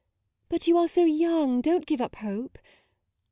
But you are so young, do n't give up hope.